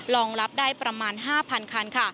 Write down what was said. รองรับได้ประมาณ๕๐๐คันค่ะ